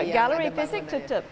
galerinya terpaksa tutup